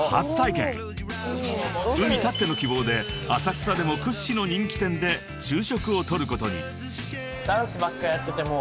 ［ＵＭＩたっての希望で浅草でも屈指の人気店で昼食を取ることに］